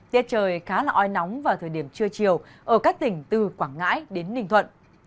tiết trời khá là oi nóng vào thời điểm trưa chiều ở các tỉnh từ quảng ngãi đến ninh thuận